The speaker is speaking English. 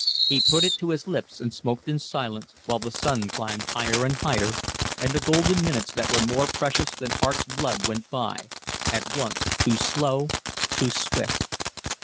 He put it to his lips and smoked in silence, while the sun climbed higher and higher, and the golden minutes that were more precious than heart's blood went by, at once too slow, too swift.